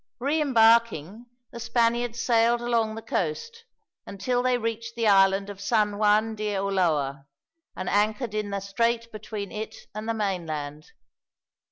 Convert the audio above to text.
Re embarking, the Spaniards sailed along the coast, until they reached the island of San Juan de Uloa, and anchored in the strait between it and the mainland.